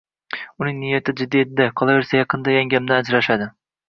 Uning niyati jiddiy edi-da, qolaversa yaqinda yangamdan ajrashadi